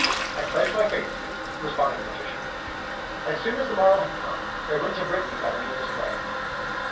"I pledge my faith to you," responded the magician. As soon as the morrow had come, they went to Brittany by the nearest way.